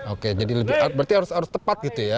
oke jadi berarti harus tepat gitu ya